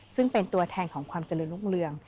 ซึ่งเป็นตัวแทนของความเจริญรุ่งเรือง